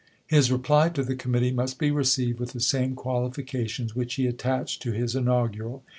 His reply to the committee must be received with the same qualification which he attached to his in augural.